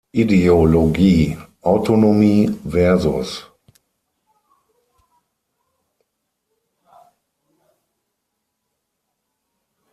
Ideologie", "Autonomie vs.